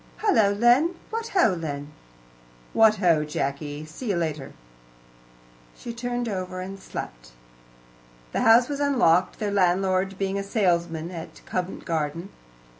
"Hullo, Len! What ho, Len!" "What ho, Jacky! see you again later." She turned over and slept. The house was unlocked, their landlord being a salesman at Convent Garden.